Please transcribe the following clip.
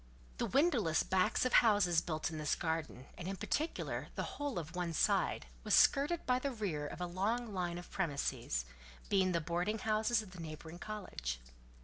The windowless backs of houses built in this garden, and in particular the whole of one side, was skirted by the rear of a long line of premises—being the boarding houses of the neighbouring college.